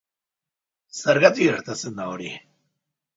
Zergatik gertatzen da hori?